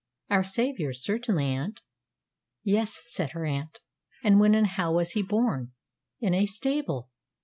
"Our Savior's, certainly, aunt." "Yes," said her aunt. "And when and how was he born? In a stable!